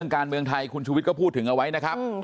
การเมืองไทยคุณชุวิตก็พูดถึงเอาไว้นะครับ